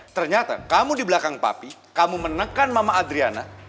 ternyata kamu di belakang papi kamu menekan mama adriana